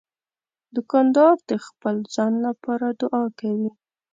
دوکاندار د خپل ځان لپاره دعا کوي.